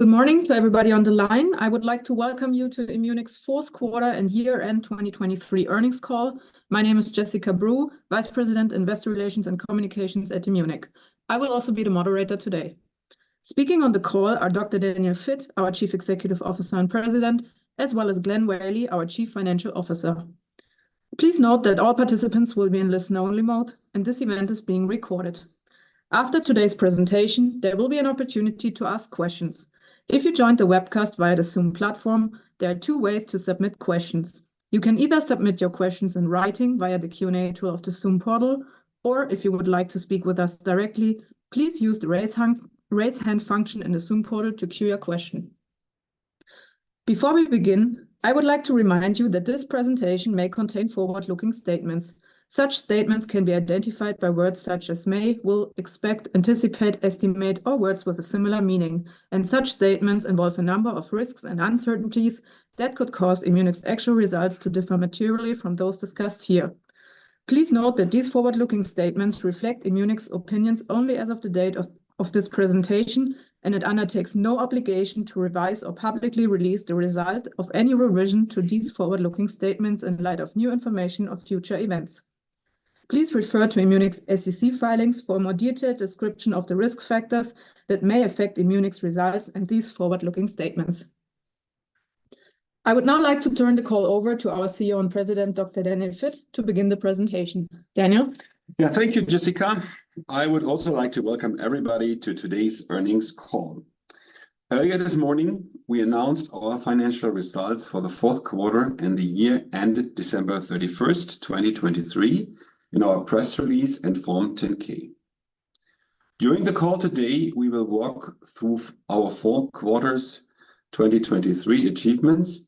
Good morning to everybody on the line. I would like to welcome you to Immunic's fourth quarter and year-end 2023 earnings call. My name is Jessica Breu, Vice President Investor Relations and Communications at Immunic. I will also be the moderator today. Speaking on the call are Dr. Daniel Vitt, our Chief Executive Officer and President, as well as Glenn Whaley, our Chief Financial Officer. Please note that all participants will be in listen-only mode, and this event is being recorded. After today's presentation, there will be an opportunity to ask questions. If you joined the webcast via the Zoom platform, there are two ways to submit questions. You can either submit your questions in writing via the Q&A tool of the Zoom portal, or if you would like to speak with us directly, please use the raise hand function in the Zoom portal to cue your question. Before we begin, I would like to remind you that this presentation may contain forward-looking statements. Such statements can be identified by words such as "may," "will," "expect," "anticipate," "estimate," or words with a similar meaning. Such statements involve a number of risks and uncertainties that could cause Immunic's actual results to differ materially from those discussed here. Please note that these forward-looking statements reflect Immunic's opinions only as of the date of this presentation, and it undertakes no obligation to revise or publicly release the result of any revision to these forward-looking statements in light of new information or future events. Please refer to Immunic's SEC filings for a more detailed description of the risk factors that may affect Immunic's results and these forward-looking statements. I would now like to turn the call over to our CEO and President, Dr. Daniel Vitt, to begin the presentation. Daniel? Yeah, thank you, Jessica. I would also like to welcome everybody to today's earnings call. Earlier this morning, we announced our financial results for the fourth quarter and the year ended December 31st, 2023, in our press release and Form 10-K. During the call today, we will walk through our four quarters' 2023 achievements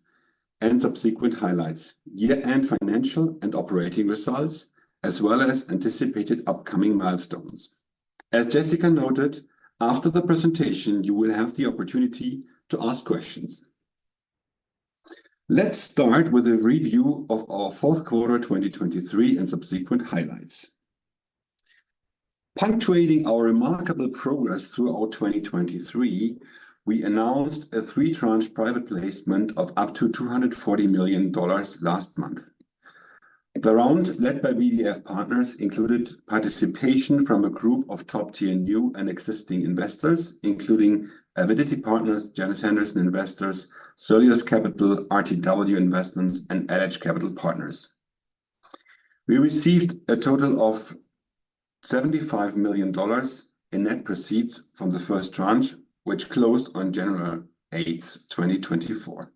and subsequent highlights, year-end financial and operating results, as well as anticipated upcoming milestones. As Jessica noted, after the presentation, you will have the opportunity to ask questions. Let's start with a review of our fourth quarter 2023 and subsequent highlights. Punctuating our remarkable progress throughout 2023, we announced a three-tranche private placement of up to $240 million last month. The round led by BVF Partners included participation from a group of top-tier new and existing investors, including Avidity Partners, Janus Henderson Investors, Soleus Capital, RTW Investments, and LH Capital Partners. We received a total of $75 million in net proceeds from the first tranche, which closed on January 8, 2024.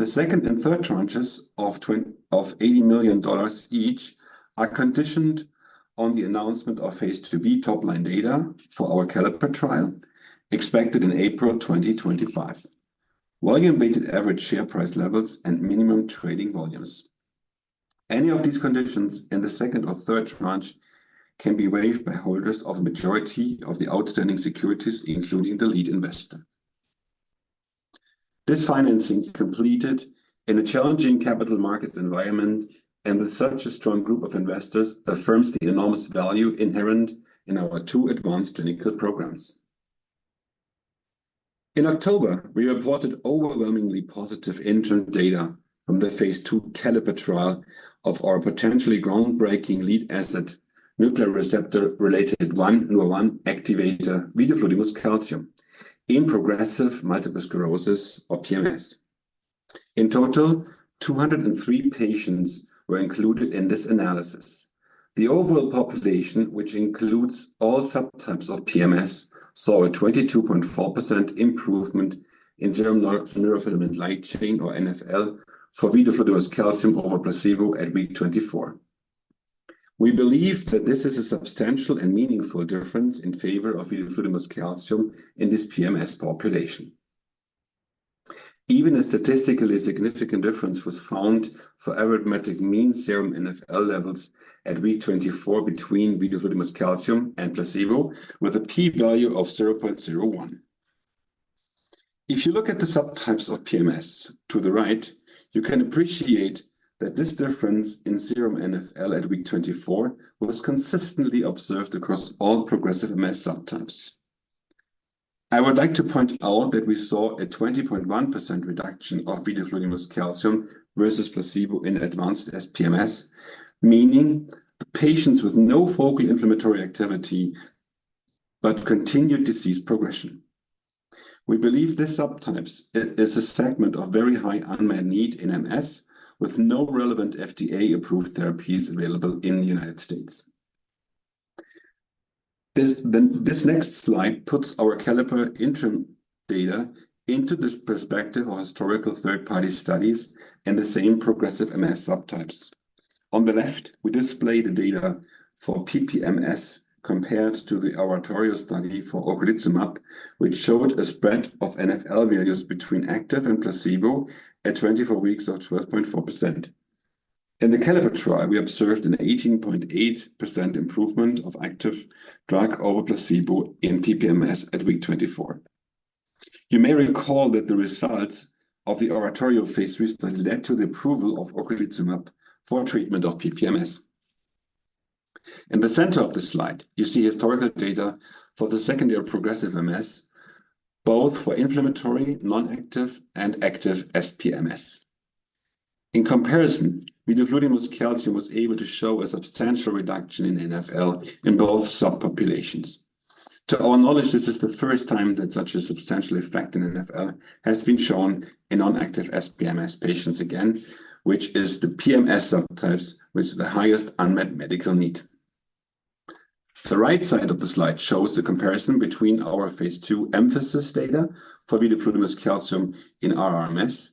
The second and third tranches of $80 million each are conditioned on the announcement of phase IIB top-line data for our CALLIPER trial, expected in April 2025, volume-weighted average share price levels, and minimum trading volumes. Any of these conditions in the second or third tranche can be waived by holders of a majority of the outstanding securities, including the lead investor. This financing completed in a challenging capital markets environment, and such a strong group of investors affirms the enormous value inherent in our two advanced clinical programs. In October, we reported overwhelmingly positive interim data from the phase II CALLIPER trial of our potentially groundbreaking lead asset, nuclear receptor-related Nurr1 activator, vidofludimus calcium, in progressive multiple sclerosis, or PMS. In total, 203 patients were included in this analysis. The overall population, which includes all subtypes of PMS, saw a 22.4% improvement in serum neurofilament light chain, or NfL, for vidofludimus calcium over placebo at week 24. We believe that this is a substantial and meaningful difference in favor of vidofludimus calcium in this PMS population. Even a statistically significant difference was found for arithmetic mean serum NfL levels at week 24 between vidofludimus calcium and placebo, with a p-value of 0.01. If you look at the subtypes of PMS to the right, you can appreciate that this difference in serum NfL at week 24 was consistently observed across all progressive MS subtypes. I would like to point out that we saw a 20.1% reduction of vidofludimus calcium versus placebo in advanced SPMS, meaning patients with no focal inflammatory activity but continued disease progression. We believe these subtypes are a segment of very high unmet need in MS with no relevant FDA-approved therapies available in the United States. This next slide puts our CALLIPER interim data into the perspective of historical third-party studies in the same progressive MS subtypes. On the left, we display the data for PPMS compared to the ORATORIO study for ocrelizumab, which showed a spread of NfL values between active and placebo at 24 weeks of 12.4%. In the CALLIPER trial, we observed an 18.8% improvement of active drug over placebo in PPMS at week 24. You may recall that the results of the ORATORIO phase III study led to the approval of ocrelizumab for treatment of PPMS. In the center of the slide, you see historical data for the secondary progressive MS, both for inflammatory, non-active, and active SPMS. In comparison, vidofludimus calcium was able to show a substantial reduction in NfL in both subpopulations. To our knowledge, this is the first time that such a substantial effect in NfL has been shown in non-active SPMS patients again, which is the PMS subtypes with the highest unmet medical need. The right side of the slide shows the comparison between our phase 2 EMPhASIS data for vidofludimus calcium in RRMS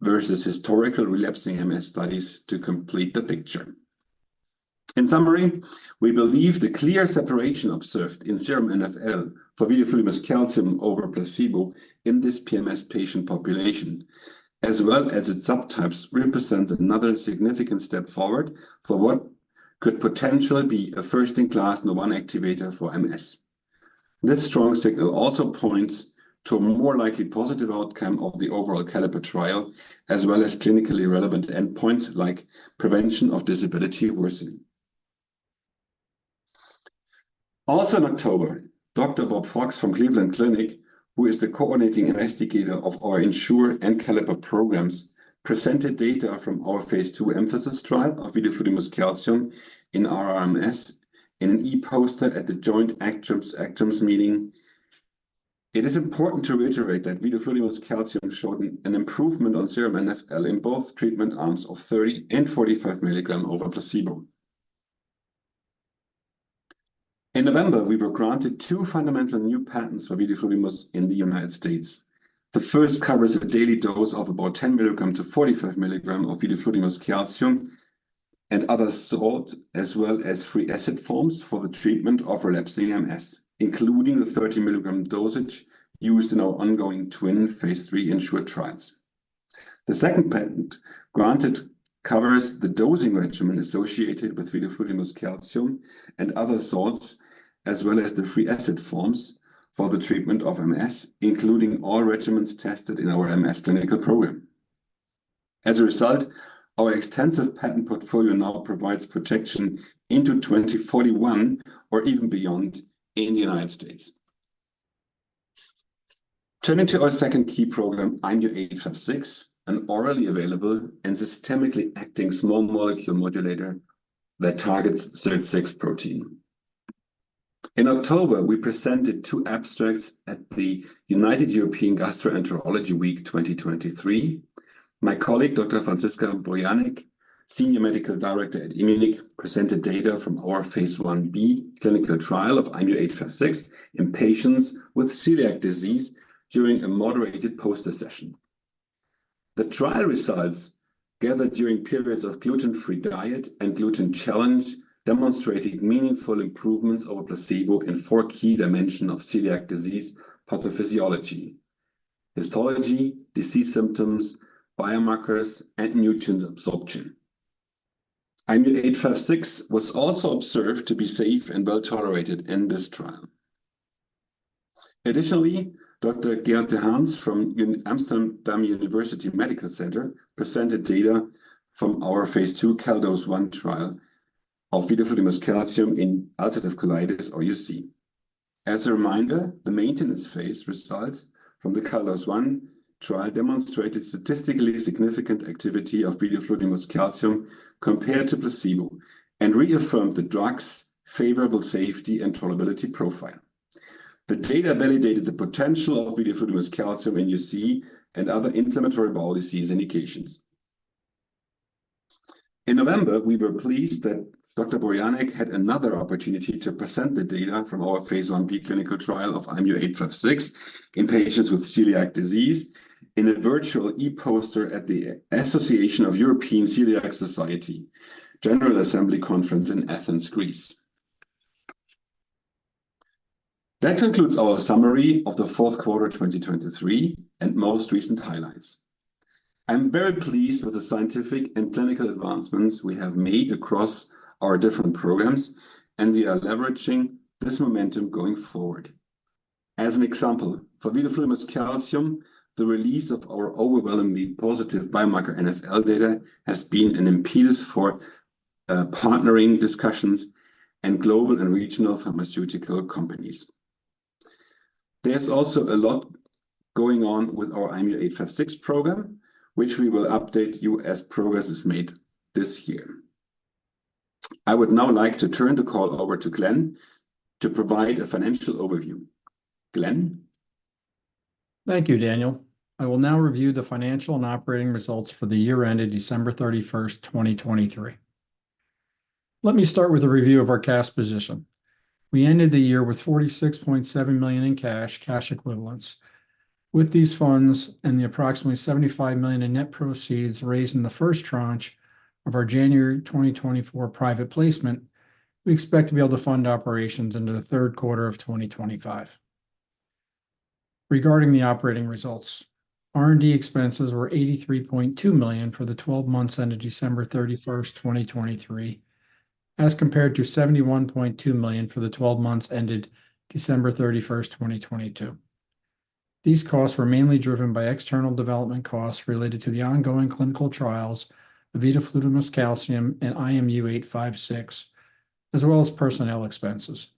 versus historical relapsing MS studies to complete the picture. In summary, we believe the clear separation observed in serum NfL for vidofludimus calcium over placebo in this PMS patient population, as well as its subtypes, represents another significant step forward for what could potentially be a first-in-class Nurr1 activator for MS. This strong signal also points to a more likely positive outcome of the overall CALLIPER trial, as well as clinically relevant endpoints like prevention of disability worsening. Also in October, Dr. Bob Fox from Cleveland Clinic, who is the coordinating investigator of our ENSURE and CALLIPER programs, presented data from our phase II EMPhASIS trial of vidofludimus calcium in RRMS in an e-poster at the joint ACTRIMS meeting. It is important to reiterate that vidofludimus calcium showed an improvement on serum NfL in both treatment arms of 30- and 45-milligram over placebo. In November, we were granted two fundamental new patents for vidofludimus in the United States. The first covers a daily dose of about 10-45 milligrams of vidofludimus calcium and other salt, as well as free acid forms for the treatment of relapsing MS, including the 30-milligram dosage used in our ongoing twin phase III ENSURE trials. The second patent granted covers the dosing regimen associated with vidofludimus calcium and other salts, as well as the free acid forms for the treatment of MS, including all regimens tested in our MS clinical program. As a result, our extensive patent portfolio now provides protection into 2041 or even beyond in the United States. Turning to our second key program, IMU-856, an orally available and systemically acting small molecule modulator that targets SIRT6 protein. In October, we presented two abstracts at the United European Gastroenterology Week 2023. My colleague, Dr. Franziska Bojanic, Senior Medical Director at Immunic, presented data from our phase Ib clinical trial of IMU-856 in patients with celiac disease during a moderated poster session. The trial results gathered during periods of gluten-free diet and gluten challenge demonstrated meaningful improvements over placebo in four key dimensions of celiac disease pathophysiology: histology, disease symptoms, biomarkers, and nutrient absorption. IMU-856 was also observed to be safe and well tolerated in this trial. Additionally, Dr. Geert D'Haens from Amsterdam University Medical Center presented data from our phase II CELDOS I trial of vidofludimus calcium in ulcerative colitis, or UC. As a reminder, the maintenance phase results from the CELDOS I trial demonstrated statistically significant activity of vidofludimus calcium compared to placebo and reaffirmed the drug's favorable safety and tolerability profile. The data validated the potential of vidofludimus calcium in UC and other inflammatory bowel disease indications. In November, we were pleased that Dr. Bojanic had another opportunity to present the data from our phase 1b clinical trial of IMU-856 in patients with celiac disease in a virtual e-poster at the Association of European Coeliac Societies General Assembly Conference in Athens, Greece. That concludes our summary of the fourth quarter 2023 and most recent highlights. I'm very pleased with the scientific and clinical advancements we have made across our different programs, and we are leveraging this momentum going forward. As an example, for vidofludimus calcium, the release of our overwhelmingly positive biomarker NfL data has been an impetus for partnering discussions and global and regional pharmaceutical companies. There's also a lot going on with our IMU-856 program, which we will update as progress is made this year. I would now like to turn the call over to Glenn to provide a financial overview. Glenn? Thank you, Daniel. I will now review the financial and operating results for the year ended December 31st 2023. Let me start with a review of our cash position. We ended the year with $46.7 million in cash, cash equivalents. With these funds and the approximately $75 million in net proceeds raised in the first tranche of our January 2024 private placement, we expect to be able to fund operations into the third quarter of 2025. Regarding the operating results, R&D expenses were $83.2 million for the 12 months ended December 31st, 2023, as compared to $71.2 million for the 12 months ended December 31st, 2022. These costs were mainly driven by external development costs related to the ongoing clinical trials of vidofludimus calcium and IMU-856, as well as personnel expenses.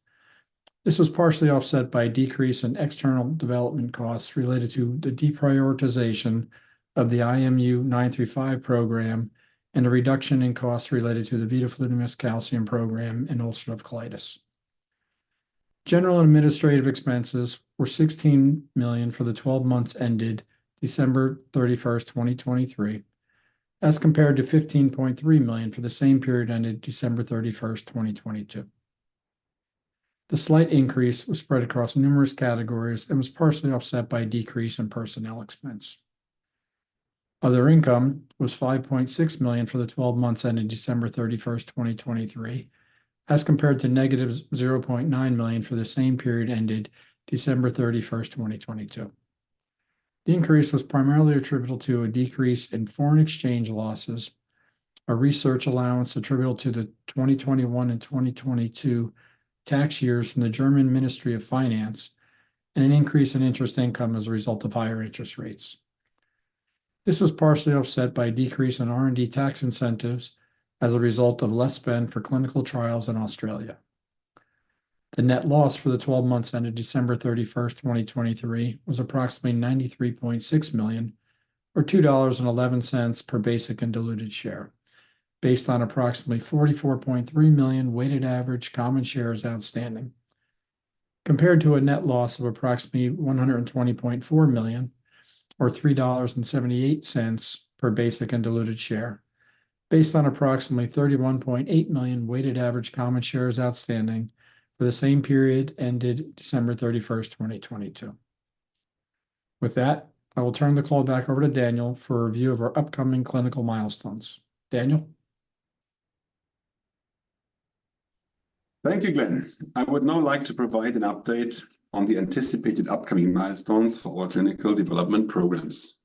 This was partially offset by a decrease in external development costs related to the deprioritization of the IMU-935 program and a reduction in costs related to the vidofludimus calcium program in ulcerative colitis. General and administrative expenses were $16 million for the 12 months ended December 31st, 2023, as compared to $15.3 million for the same period ended December 31st, 2022. The slight increase was spread across numerous categories and was partially offset by a decrease in personnel expense. Other income was $5.6 million for the 12 months ended December 31st, 2023, as compared to -$0.9 million for the same period ended December 31st, 2022. The increase was primarily attributable to a decrease in foreign exchange losses, a research allowance attributable to the 2021 and 2022 tax years from the German Ministry of Finance, and an increase in interest income as a result of higher interest rates. This was partially offset by a decrease in R&D tax incentives as a result of less spend for clinical trials in Australia. The net loss for the 12 months ended December 31st, 2023, was approximately $93.6 million, or $2.11 per basic and diluted share, based on approximately 44.3 million weighted average common shares outstanding, compared to a net loss of approximately $120.4 million, or $3.78 per basic and diluted share, based on approximately 31.8 million weighted average common shares outstanding for the same period ended December 31st, 2022. With that, I will turn the call back over to Daniel for a review of our upcoming clinical milestones. Daniel? Thank you, Glenn. I would now like to provide an update on the anticipated upcoming milestones for our clinical development programs.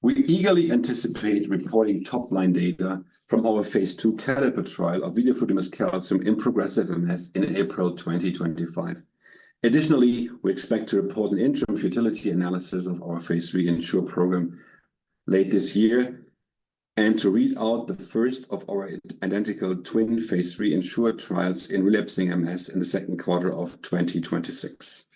We eagerly anticipate reporting top-line data from our phase II CALLIPER trial of vidofludimus calcium in progressive MS in April 2025. Additionally, we expect to report an interim futility analysis of our phase III ENSURE program late this year and to read out the first of our identical twin phase III ENSURE trials in relapsing MS in the second quarter of 2026.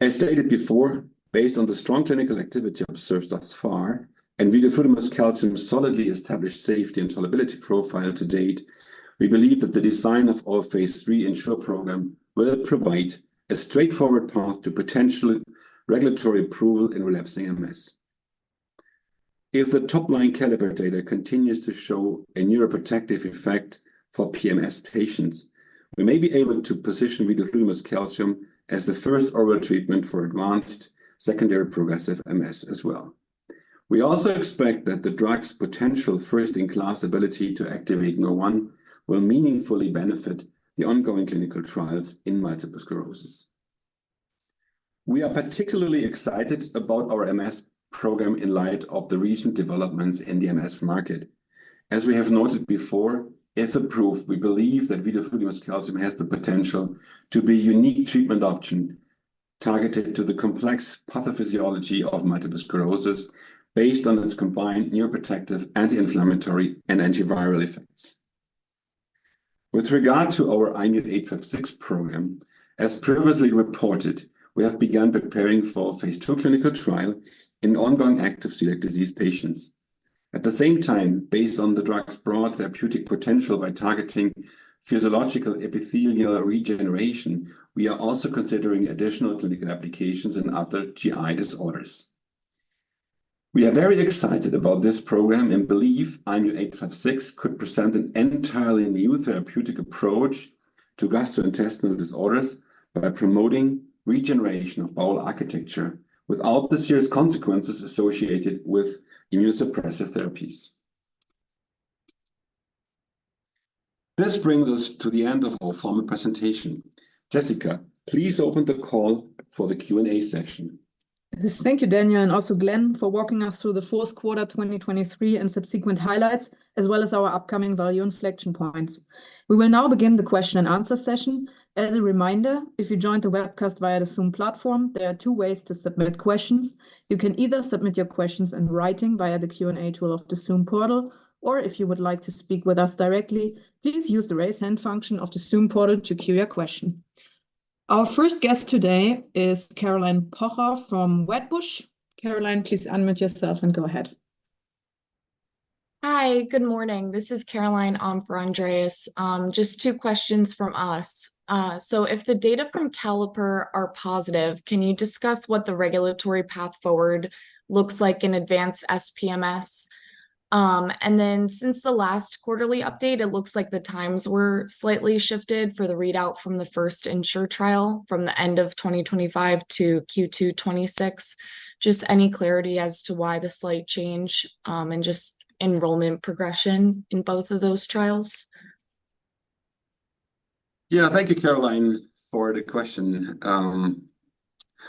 As stated before, based on the strong clinical activity observed thus far and vidofludimus calcium solidly established safety and tolerability profile to date, we believe that the design of our phase III ENSURE program will provide a straightforward path to potential regulatory approval in relapsing MS. If the top-line CALLIPER data continues to show a neuroprotective effect for PMS patients, we may be able to position vidofludimus calcium as the first oral treatment for advanced secondary progressive MS as well. We also expect that the drug's potential first-in-class ability to activate Nurr1 will meaningfully benefit the ongoing clinical trials in multiple sclerosis. We are particularly excited about our MS program in light of the recent developments in the MS market. As we have noted before, if approved, we believe that vidofludimus calcium has the potential to be a unique treatment option targeted to the complex pathophysiology of multiple sclerosis based on its combined neuroprotective, anti-inflammatory, and antiviral effects. With regard to our IMU-856 program, as previously reported, we have begun preparing for phase II clinical trial in ongoing active celiac disease patients. At the same time, based on the drug's broad therapeutic potential by targeting physiological epithelial regeneration, we are also considering additional clinical applications in other GI disorders. We are very excited about this program and believe IMU-856 could present an entirely new therapeutic approach to gastrointestinal disorders by promoting regeneration of bowel architecture without the serious consequences associated with immunosuppressive therapies. This brings us to the end of our formal presentation. Jessica, please open the call for the Q&A session. Thank you, Daniel, and also Glenn for walking us through the fourth quarter 2023 and subsequent highlights, as well as our upcoming value inflection points. We will now begin the question and answer session. As a reminder, if you joined the webcast via the Zoom platform, there are two ways to submit questions. You can either submit your questions in writing via the Q&A tool of the Zoom portal, or if you would like to speak with us directly, please use the raise hand function of the Zoom portal to queue your question. Our first guest today is Caroline Pocher from Wedbush. Caroline, please unmute yourself and go ahead. Hi, good morning. This is Caroline for Andreas. Just two questions from us. So if the data from CALLIPER are positive, can you discuss what the regulatory path forward looks like in advanced SPMS? And then since the last quarterly update, it looks like the times were slightly shifted for the readout from the first ENSURE trial from the end of 2025 to Q2 2026. Just any clarity as to why the slight change and just enrollment progression in both of those trials? Yeah, thank you, Caroline, for the question.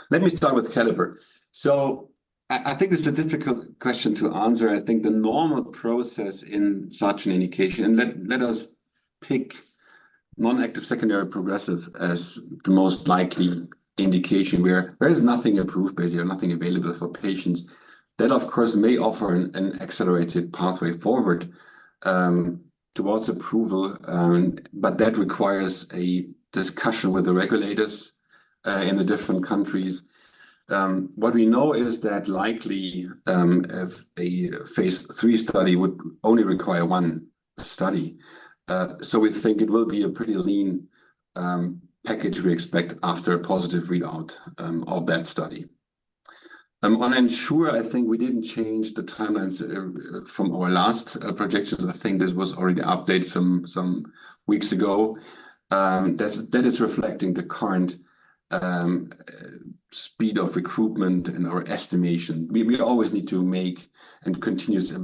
Let me start with CALLIPER. So I think this is a difficult question to answer. I think the normal process in such an indication, and let us pick non-active secondary progressive as the most likely indication, where there is nothing approved, basically nothing available for patients, that, of course, may offer an accelerated pathway forward towards approval, but that requires a discussion with the regulators in the different countries. What we know is that likely a phase III study would only require one study. So we think it will be a pretty lean package we expect after a positive readout of that study. On ENSURE, I think we didn't change the timelines from our last projections. I think this was already updated some weeks ago. That is reflecting the current speed of recruitment and our estimation. We always need to make and continuously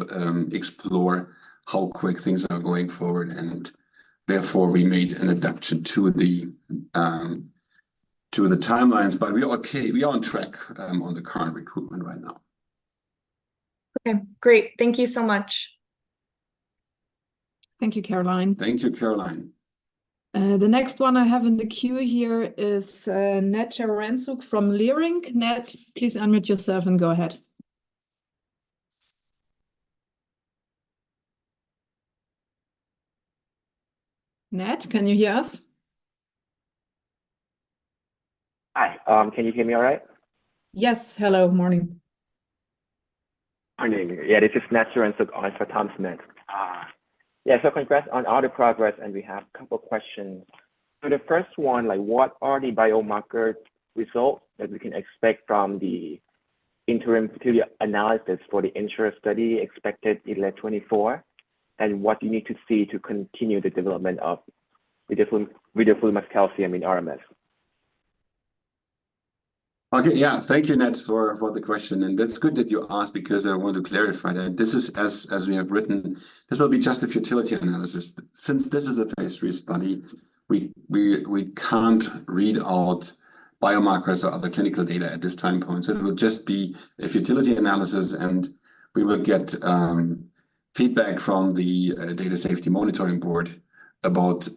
explore how quick things are going forward, and therefore we made an adaptation to the timelines, but we are on track on the current recruitment right now. Okay, great. Thank you so much. Thank you, Caroline. Thank you, Caroline. The next one I have in the queue here is Nat Charoensook from Leerink. Nat, please unmute yourself and go ahead. Nat, can you hear us? Hi. Can you hear me all right? Yes. Hello. Morning. Morning. Yeah, this is Nat Charoensook, Leerink Partners. Yeah, so congrats on all the progress, and we have a couple of questions. So the first one, what are the biomarker results that we can expect from the interim futility analysis for the ENSURE study expected in late 2024, and what do you need to see to continue the development of vidofludimus calcium in RMS? Okay, yeah, thank you, Nat, for the question. That's good that you asked because I want to clarify that this is, as we have written, this will be just a futility analysis. Since this is a phase III study, we can't read out biomarkers or other clinical data at this time point. So it will just be a futility analysis, and we will get feedback from the Data Safety Monitoring Board about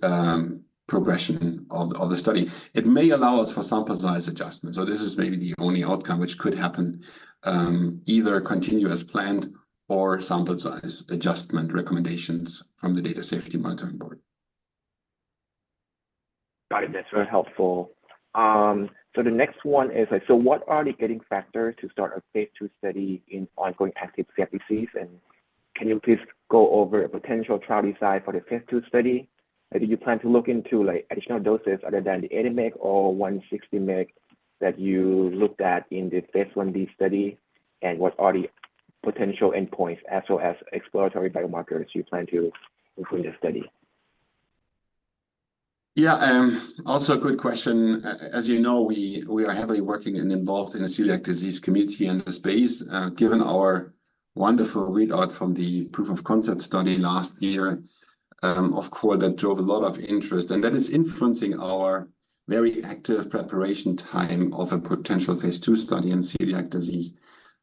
progression of the study. It may allow us for sample size adjustments. So this is maybe the only outcome which could happen, either continue as planned or sample size adjustment recommendations from the Data Safety Monitoring Board. Got it, Nat. Very helpful. So the next one is, what are the key factors to start a phase II study in ongoing active celiac disease? And can you please go over a potential trial design for the phase II study? Did you plan to look into additional doses other than the 80 mg or 160 mg that you looked at in the phase Ib study, and what are the potential endpoints as well as exploratory biomarkers you plan to include in the study? Yeah, also a good question. As you know, we are heavily working and involved in the celiac disease community in the space. Given our wonderful readout from the proof of concept study last year, of course, that drove a lot of interest, and that is influencing our very active preparation time of a potential phase II study in celiac disease.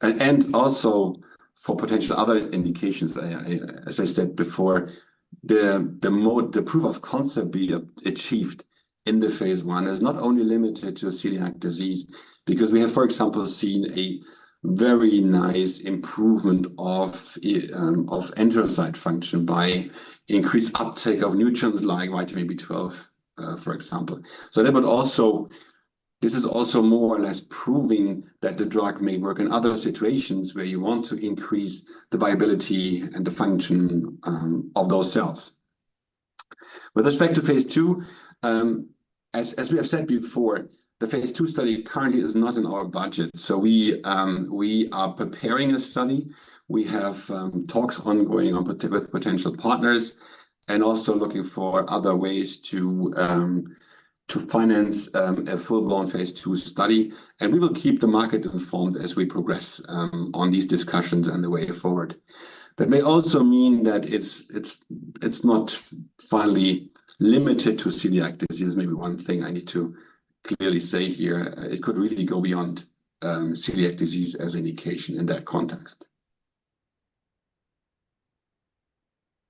And also for potential other indications, as I said before, the proof of concept achieved in the phase 1 is not only limited to celiac disease because we have, for example, seen a very nice improvement of enterocyte function by increased uptake of nutrients like vitamin B12, for example. So that would also, this is also more or less proving that the drug may work in other situations where you want to increase the viability and the function of those cells. With respect to phase II, as we have said before, the phase II study currently is not in our budget. We are preparing a study. We have talks ongoing with potential partners and also looking for other ways to finance a full-blown phase II study. We will keep the market informed as we progress on these discussions and the way forward. That may also mean that it's not finally limited to celiac disease, is maybe one thing I need to clearly say here. It could really go beyond celiac disease as an indication in that context.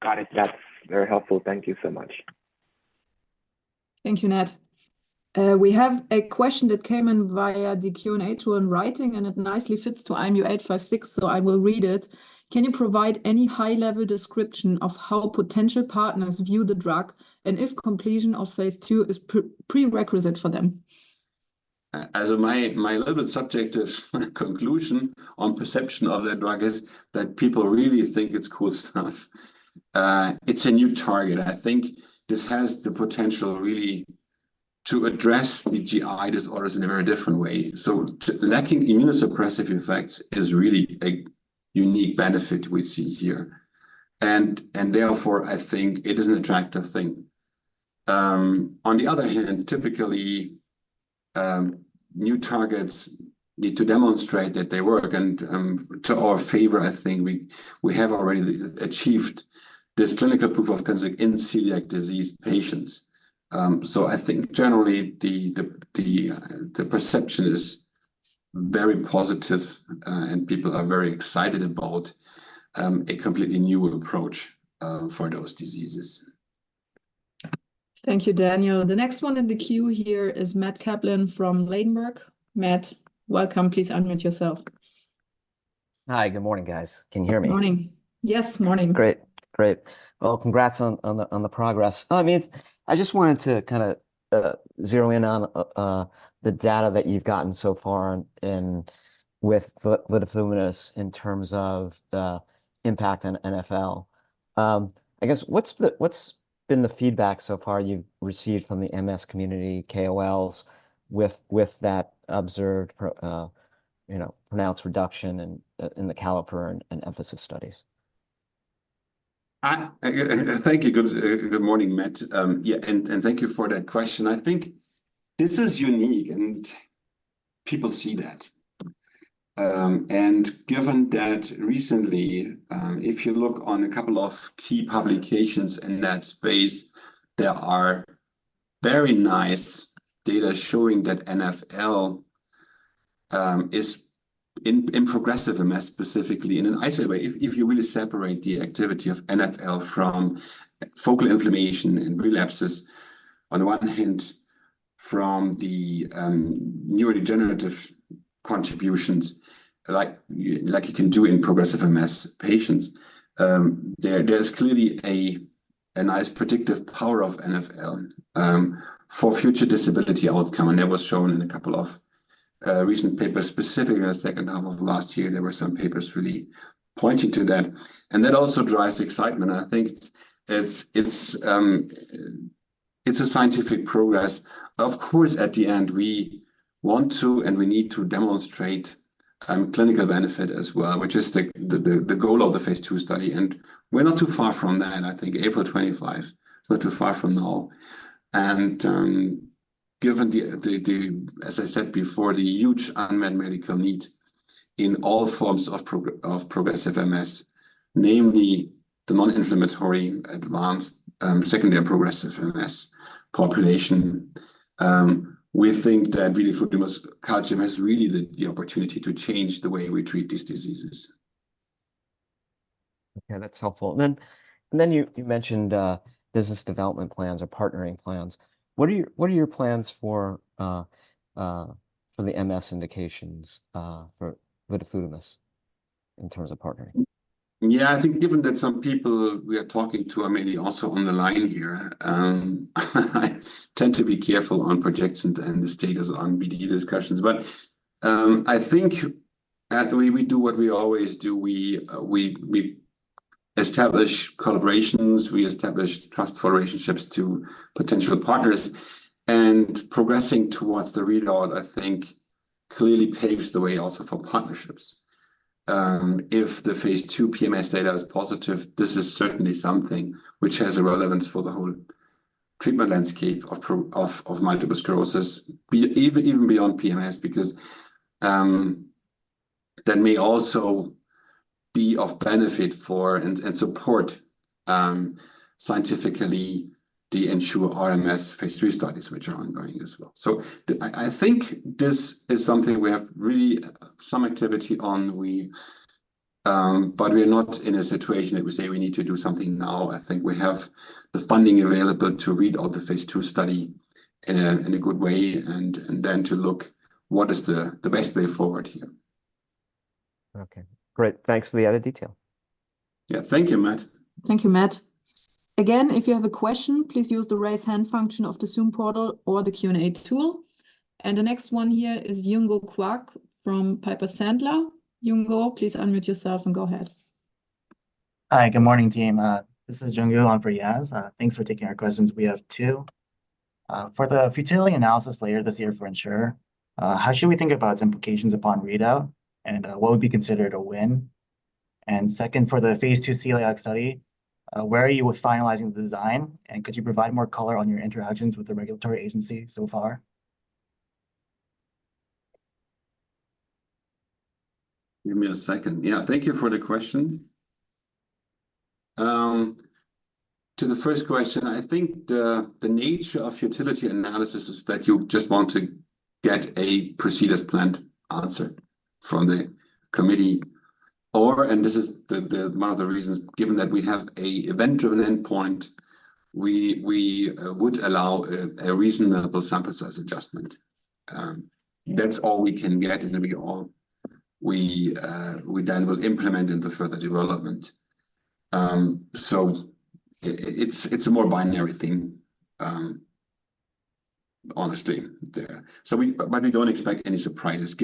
Got it. That's very helpful. Thank you so much. Thank you, Nat. We have a question that came in via the Q&A tool in writing, and it nicely fits to IMU-856, so I will read it. Can you provide any high-level description of how potential partners view the drug and if completion of phase II is a prerequisite for them? So my little subjective conclusion on perception of the drug is that people really think it's cool stuff. It's a new target. I think this has the potential really to address the GI disorders in a very different way. So lacking immunosuppressive effects is really a unique benefit we see here. And therefore, I think it is an attractive thing. On the other hand, typically, new targets need to demonstrate that they work. And to our favor, I think we have already achieved this clinical proof of concept in celiac disease patients. So I think generally, the perception is very positive, and people are very excited about a completely new approach for those diseases. Thank you, Daniel. The next one in the queue here is Matt Kaplan from Ladenburg. Matt, welcome. Please unmute yourself. Hi, good morning, guys. Can you hear me? Morning. Yes, morning. Great. Great. Well, congrats on the progress. I mean, I just wanted to kind of zero in on the data that you've gotten so far with vidofludimus in terms of the impact on NfL. I guess, what's been the feedback so far you've received from the MS community, KOLs, with that observed pronounced reduction in the CALLIPER and EMPhASIS studies? Thank you. Good morning, Matt. Yeah, and thank you for that question. I think this is unique, and people see that. Given that recently, if you look on a couple of key publications in that space, there are very nice data showing that NfL is in progressive MS, specifically in an isolated way. If you really separate the activity of NfL from focal inflammation and relapses, on the one hand, from the neurodegenerative contributions like you can do in progressive MS patients, there is clearly a nice predictive power of NfL for future disability outcome. And that was shown in a couple of recent papers. Specifically, in the second half of last year, there were some papers really pointing to that. And that also drives excitement. I think it's a scientific progress. Of course, at the end, we want to and we need to demonstrate clinical benefit as well, which is the goal of the phase II study. We're not too far from that, I think, April 2025. It's not too far from now. Given the, as I said before, the huge unmet medical need in all forms of progressive MS, namely the non-inflammatory advanced secondary progressive MS population, we think that vidofludimus calcium has really the opportunity to change the way we treat these diseases. Okay, that's helpful. And then you mentioned business development plans or partnering plans. What are your plans for the MS indications for vidofludimus in terms of partnering? Yeah, I think given that some people we are talking to are mainly also on the line here, I tend to be careful on projections and the status on BDE discussions. But I think we do what we always do. We establish collaborations. We establish trustful relationships to potential partners. And progressing towards the readout, I think, clearly paves the way also for partnerships. If the phase II PMS data is positive, this is certainly something which has a relevance for the whole treatment landscape of multiple sclerosis, even beyond PMS, because that may also be of benefit for and support scientifically the ENSURE RMS phase III studies, which are ongoing as well. So I think this is something we have really some activity on, but we are not in a situation that we say we need to do something now. I think we have the funding available to read out the phase II study in a good way and then to look what is the best way forward here. Okay, great. Thanks for the added detail. Yeah, thank you, Matt. Thank you, Matt. Again, if you have a question, please use the raise hand function of the Zoom portal or the Q&A tool. And the next one here is Jun-Goo Kwak from Piper Sandler. Jun-Goo, please unmute yourself and go ahead. Hi, good morning, team. This is Jun-Goo Kwak. Thanks for taking our questions. We have two. For the futility analysis later this year for ENSURE, how should we think about its implications upon readout, and what would be considered a win? And second, for the phase II celiac study, where are you with finalizing the design, and could you provide more color on your interactions with the regulatory agency so far? Give me a second. Yeah, thank you for the question. To the first question, I think the nature of futility analysis is that you just want to get a procedures planned answer from the committee. And this is one of the reasons, given that we have an event-driven endpoint, we would allow a reasonable sample size adjustment. That's all we can get, and we then will implement in the further development. So it's a more binary thing, honestly, there. But we don't expect any surprises.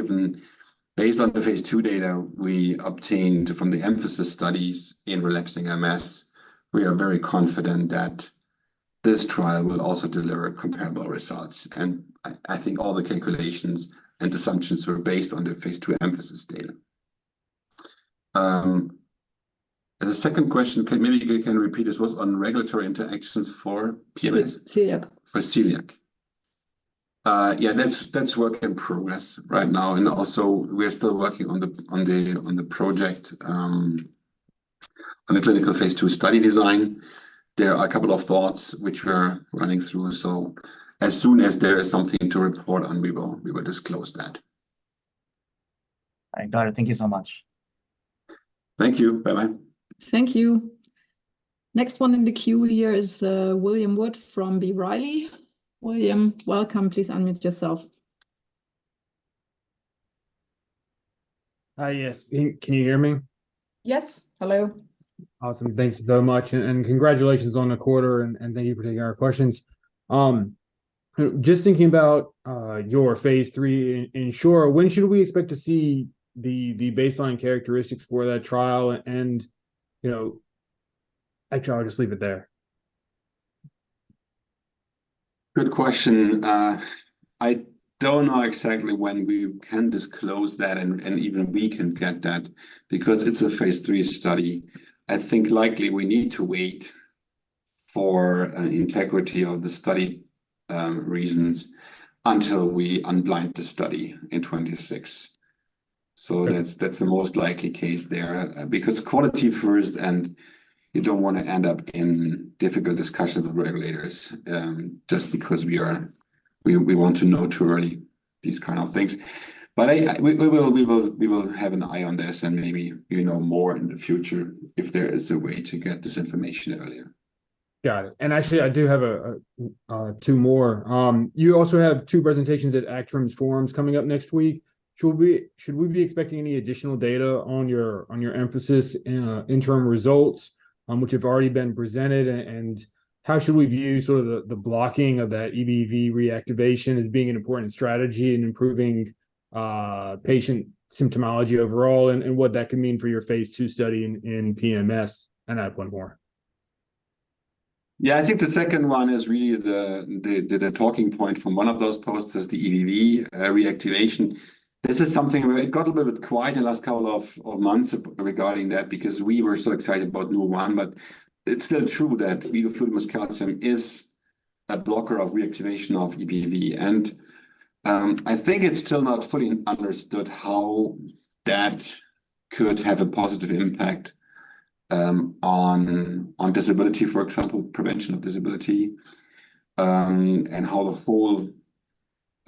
Based on the phase II data we obtained from the EMPhASIS studies in relapsing MS, we are very confident that this trial will also deliver comparable results. And I think all the calculations and assumptions were based on the phase II EMPhASIS data. The second question, maybe you can repeat this one, was on regulatory interactions for PMS? Celiac. For celiac. Yeah, that's work in progress right now. And also, we are still working on the project on the clinical phase II study design. There are a couple of thoughts which we're running through. So as soon as there is something to report on, we will disclose that. All right. Got it. Thank you so much. Thank you. Bye-bye. Thank you. Next one in the queue here is William Wood from B. Riley. William, welcome. Please unmute yourself. Hi, yes. Can you hear me? Yes. Hello. Awesome. Thanks so much. And congratulations on the quarter, and thank you for taking our questions. Just thinking about your phase III in ENSURE, when should we expect to see the baseline characteristics for that trial? And actually, I'll just leave it there. Good question. I don't know exactly when we can disclose that, and even we can get that because it's a phase III study. I think likely we need to wait for integrity of the study reasons until we unblind the study in 2026. So that's the most likely case there because quality first, and you don't want to end up in difficult discussions with regulators just because we want to know too early these kind of things. But we will have an eye on this, and maybe we know more in the future if there is a way to get this information earlier. Got it. And actually, I do have two more. You also have two presentations at ACTRIMS Forum coming up next week. Should we be expecting any additional data on your EMPhASIS interim results, which have already been presented? And how should we view sort of the blocking of that EBV reactivation as being an important strategy in improving patient symptomology overall and what that could mean for your phase II study in PMS? And I have one more. Yeah, I think the second one is really the talking point from one of those posts, the EBV reactivation. This is something where it got a little bit quiet in the last couple of months regarding that because we were so excited about Nurr1. But it's still true that vidofludimus calcium is a blocker of reactivation of EBV. And I think it's still not fully understood how that could have a positive impact on disability, for example, prevention of disability, and how the whole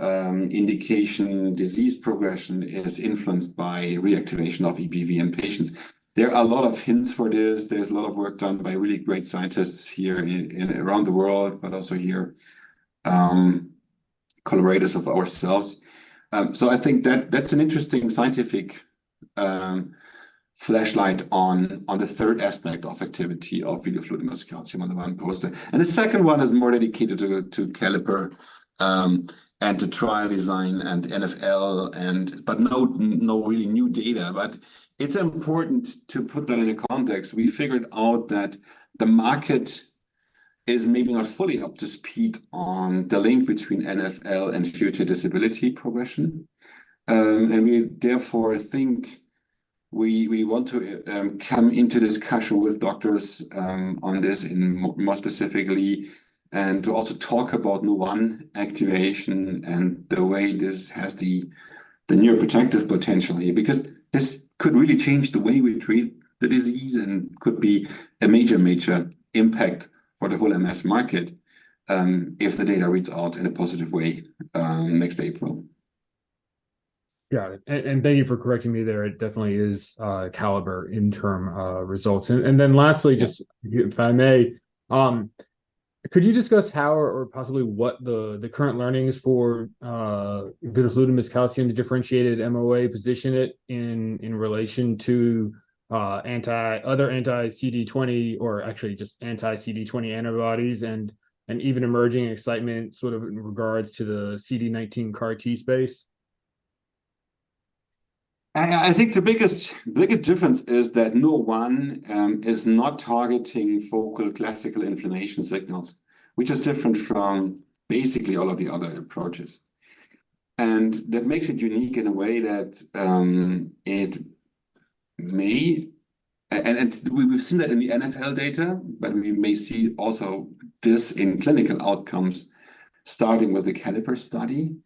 indication disease progression is influenced by reactivation of EBV in patients. There are a lot of hints for this. There's a lot of work done by really great scientists here around the world, but also here, collaborators of ourselves. So I think that's an interesting scientific spotlight on the third aspect of activity of vidofludimus calcium on the one poster. The second one is more dedicated to CALLIPER and to trial design and NfL, but no really new data. It's important to put that in context. We figured out that the market is maybe not fully up to speed on the link between NfL and future disability progression. We therefore think we want to come into discussion with doctors on this more specifically and to also talk about Nurr1 activation and the way this has the neuroprotective potential here because this could really change the way we treat the disease and could be a major, major impact for the whole MS market if the data reads out in a positive way next April. Got it. Thank you for correcting me there. It definitely is CALLIPER in terms of results. Then lastly, just if I may, could you discuss how or possibly what the current learnings for vidofludimus calcium to differentiated MOA position it in relation to other anti-CD20 or actually just anti-CD20 antibodies and even emerging excitement sort of in regards to the CD19 CAR-T space? I think the biggest difference is that Nurr1 is not targeting focal classical inflammation signals, which is different from basically all of the other approaches. And that makes it unique in a way that it may and we've seen that in the NfL data, but we may see also this in clinical outcomes starting with the CALLIPER study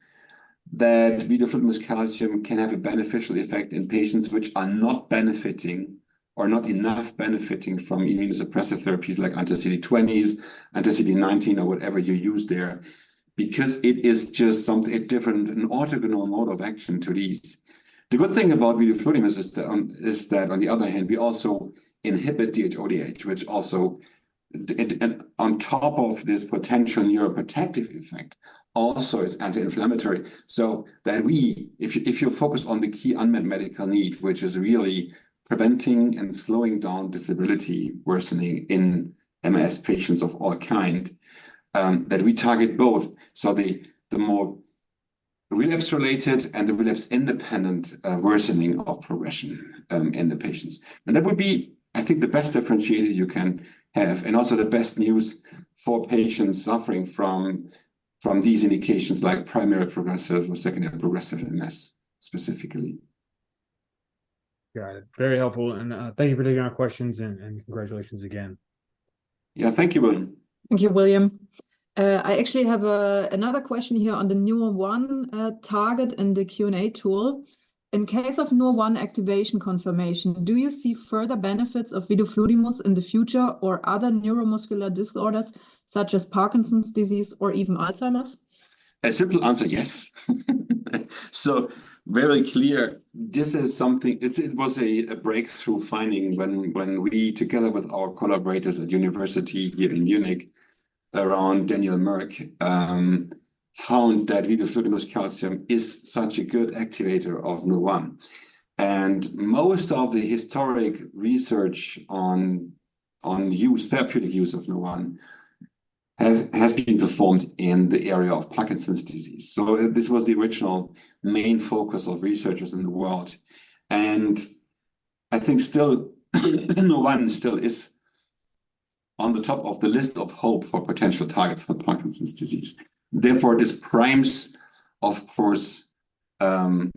that vidofludimus calcium can have a beneficial effect in patients which are not benefiting or not enough benefiting from immunosuppressive therapies like anti-CD20s, anti-CD19, or whatever you use there because it is just something different an orthogonal mode of action to these. The good thing about vidofludimus is that on the other hand, we also inhibit DHODH, which also on top of this potential neuroprotective effect, also is anti-inflammatory. So that if you focus on the key unmet medical need, which is really preventing and slowing down disability worsening in MS patients of all kind, that we target both. So the more relapse-related and the relapse-independent worsening of progression in the patients. And that would be, I think, the best differentiator you can have and also the best news for patients suffering from these indications like primary progressive or secondary progressive MS specifically. Got it. Very helpful. Thank you for taking our questions, and congratulations again. Yeah, thank you, William. Thank you, William. I actually have another question here on the Nurr1 target in the Q&A tool. In case of Nurr1 activation confirmation, do you see further benefits of vidofludimus in the future or other neuromuscular disorders such as Parkinson's disease or even Alzheimer's? A simple answer, yes. So very clear. This is something; it was a breakthrough finding when we, together with our collaborators at university here in Munich around Daniel Merk, found that vidofludimus calcium is such a good activator of Nurr1. And most of the historic research on therapeutic use of Nurr1 has been performed in the area of Parkinson's disease. So this was the original main focus of researchers in the world. And I think still Nurr1 still is on the top of the list of hope for potential targets for Parkinson's disease. Therefore, this primes, of course, our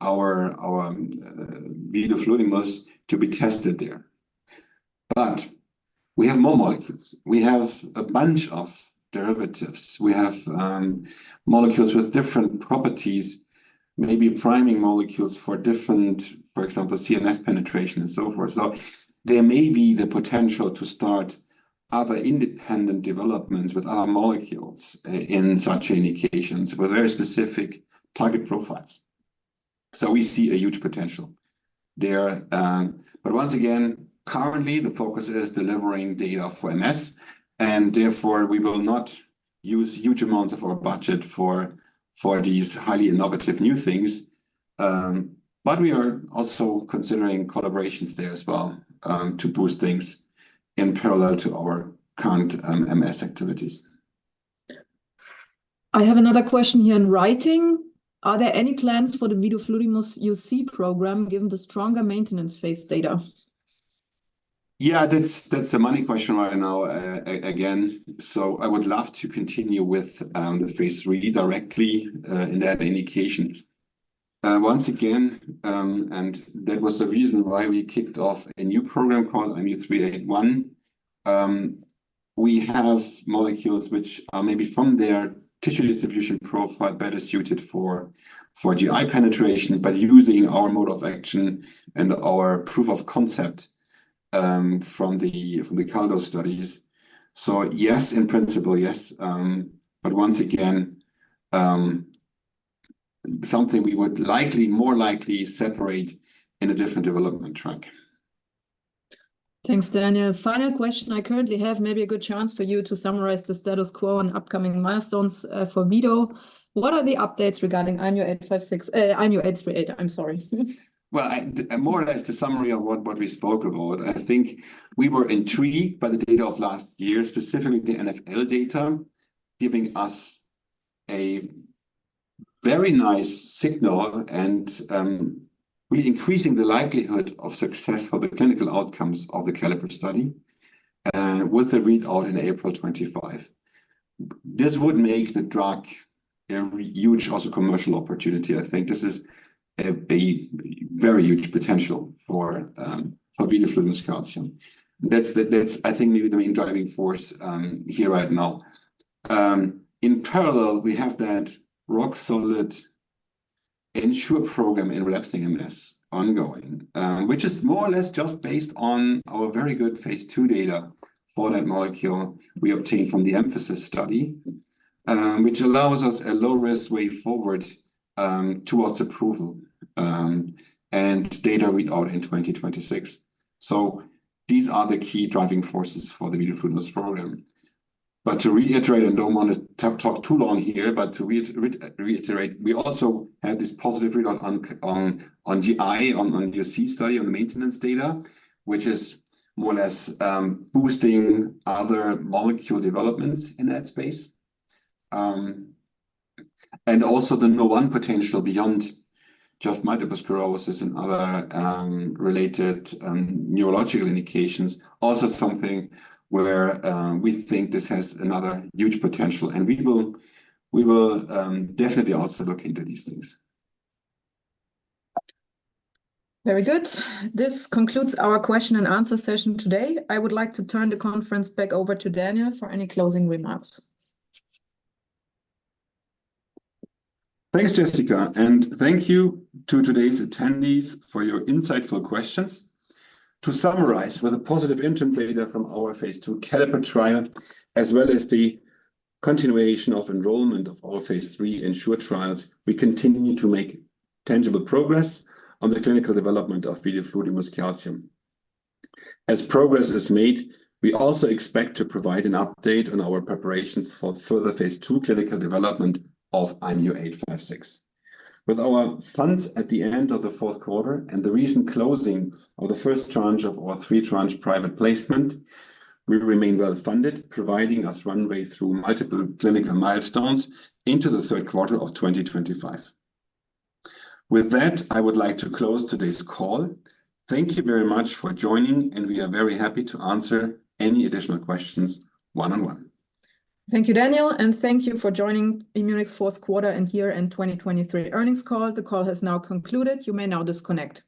vidofludimus to be tested there. But we have more molecules. We have a bunch of derivatives. We have molecules with different properties, maybe priming molecules for different, for example, CNS penetration and so forth. There may be the potential to start other independent developments with other molecules in such indications with very specific target profiles. We see a huge potential there. Once again, currently, the focus is delivering data for MS, and therefore, we will not use huge amounts of our budget for these highly innovative new things. We are also considering collaborations there as well to boost things in parallel to our current MS activities. I have another question here in writing. Are there any plans for the vidofludimus UC program given the stronger maintenance phase data? Yeah, that's a money question right now again. So I would love to continue with the phase III directly in that indication. Once again, and that was the reason why we kicked off a new program called IMU-381. We have molecules which are maybe from their tissue distribution profile better suited for GI penetration, but using our mode of action and our proof of concept from the CELDOS studies. So yes, in principle, yes. But once again, something we would likely separate in a different development track. Thanks, Daniel. Final question I currently have, maybe a good chance for you to summarize the status quo and upcoming milestones for vidofludimus. What are the updates regarding IMU-838? I'm sorry. Well, more or less the summary of what we spoke about. I think we were intrigued by the data of last year, specifically the NfL data, giving us a very nice signal and really increasing the likelihood of success for the clinical outcomes of the CALLIPER study with the readout in April 2025. This would make the drug a huge also commercial opportunity. I think this is a very huge potential for vidofludimus calcium. That's, I think, maybe the main driving force here right now. In parallel, we have that rock-solid ENSURE program in relapsing MS ongoing, which is more or less just based on our very good phase II data for that molecule we obtained from the EMPhASIS study, which allows us a low-risk way forward towards approval and data readout in 2026. So these are the key driving forces for the vidofludimus program. To reiterate, I don't want to talk too long here, but to reiterate, we also had this positive readout on GI, on UC study, on the maintenance data, which is more or less boosting other molecule developments in that space. And also the Nurr1 potential beyond just multiple sclerosis and other related neurological indications, also something where we think this has another huge potential. And we will definitely also look into these things. Very good. This concludes our question and answer session today. I would like to turn the conference back over to Daniel for any closing remarks. Thanks, Jessica. And thank you to today's attendees for your insightful questions. To summarize, with the positive interim data from our phase II CALLIPER trial, as well as the continuation of enrollment of our phase III ENSURE trials, we continue to make tangible progress on the clinical development of vidofludimus calcium. As progress is made, we also expect to provide an update on our preparations for further phase II clinical development of IMU-856. With our funds at the end of the fourth quarter and the recent closing of the first tranche of our 3-tranche private placement, we remain well-funded, providing us runway through multiple clinical milestones into the third quarter of 2025. With that, I would like to close today's call. Thank you very much for joining, and we are very happy to answer any additional questions one-on-one. Thank you, Daniel. Thank you for joining Immunic's fourth quarter and year-end 2023 earnings call. The call has now concluded. You may now disconnect.